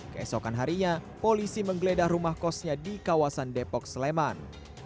keesokan harinya polisi menggeledah rumah kosnya di kawasan depok sleman